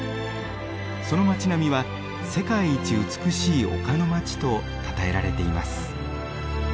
その町並みは世界一美しい丘の街とたたえられています。